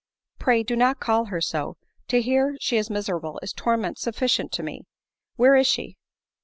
"Pray do not call her so; to hear she is miserable is torment sufficient to me ; where is she